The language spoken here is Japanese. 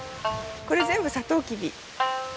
これ全部サトウキビ。